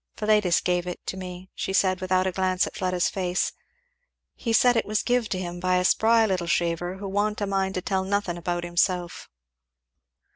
"Philetus gave it to me," she said, without a glance at Fleda's face, "he said it was give to him by a spry little shaver who wa'n't a mind to tell nothin' about himself."